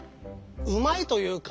うまいというか。